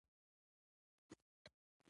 مور یې لادینه ده.